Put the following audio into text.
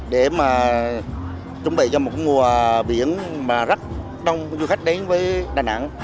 để mà chuẩn bị cho một mùa biển mà rất đông du khách đến với đà nẵng